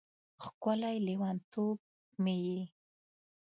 ښکلی لیونتوب مې یې